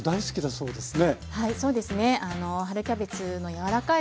そうですね。